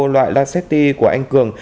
loại la city của anh cường